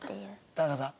田中さん。